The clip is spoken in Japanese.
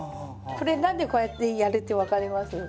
これ何でこうやってやるって分かります？